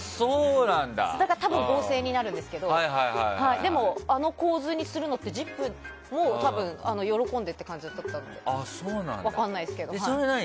だから、多分合成になるんですけどでも、あの構図にするのって「ＺＩＰ！」も喜んでって感じだったのかな。